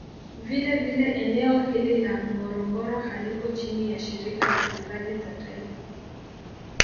Vile vile eneo hili la ngorongoro halipo chini ya Shirika la hifadhi za Taifa